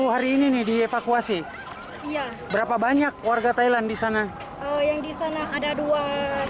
hari ini nih dievakuasi iya berapa banyak warga thailand di sana yang di sana ada dua